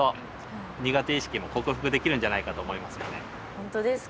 本当ですか？